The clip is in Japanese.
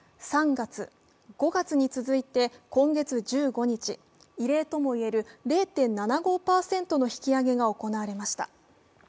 ３月、５月に続いて今月１５日、異例ともいえる０．７５％の引き上げが行われました。